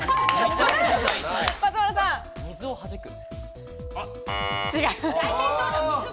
水をはじく。